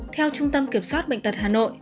theo trung tâm kiểm soát bệnh tật hà nội